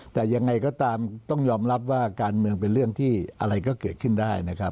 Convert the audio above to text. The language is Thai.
แต่ยังไงก็ตามต้องยอมรับว่าการเมืองเป็นเรื่องที่อะไรก็เกิดขึ้นได้นะครับ